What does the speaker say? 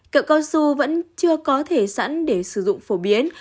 cậu cao su vẫn chưa có thể sẵn để sử dụng phổ biến